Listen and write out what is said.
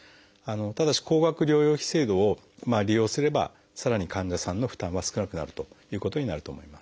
ただし高額療養費制度を利用すればさらに患者さんの負担は少なくなるということになると思います。